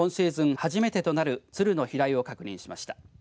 初めてとなるツルの飛来を確認しました。